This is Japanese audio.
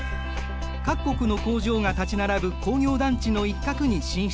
各国の工場が立ち並ぶ工業団地の一角に進出した。